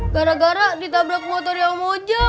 gara gara ditabrak motornya om mojak